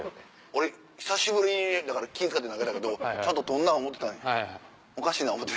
俺久しぶりだから気ぃ使って投げたけどちゃんと捕るな思うてたんやおかしいな思うて。